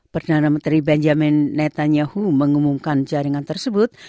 perdana menteri benjamin netanyahu mengumumkan jaringan tersebut